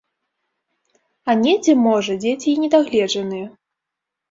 А недзе, можа, дзеці і не дагледжаныя.